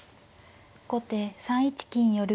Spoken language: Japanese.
後手３一金寄。